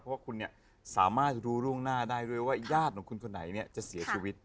เพราะว่าคุณเนี่ยสามารถรู้ร่วงหน้าได้ด้วยว่าญาติของคุณคนไหนเนี่ยจะเสียชีวิต